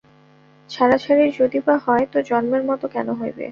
ছাড়াছাড়ি যদি বা হয় তো জন্মের মতো কেন হইবে?